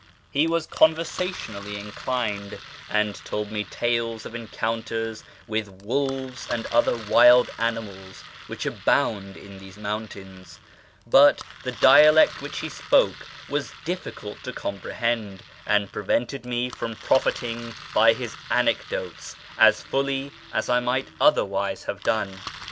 He was conversationally inclined, and told me tales of encounters with wolves and other wild animals which abound in these mountains, but the dialect which he spoke was diflicult to comprehend, and prevented me from profiting by his anecdotes as fully as I might otherwise have done.